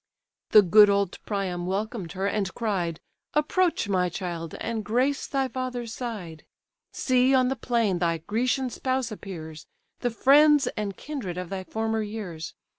The good old Priam welcomed her, and cried, "Approach, my child, and grace thy father's side. See on the plain thy Grecian spouse appears, The friends and kindred of thy former years.